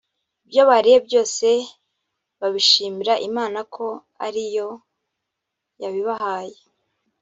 ibyo bariye byose babishimira Imana ko ari yo yabibahaye